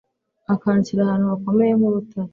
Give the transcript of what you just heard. akanshyira ahantu hakomeye nk’urutare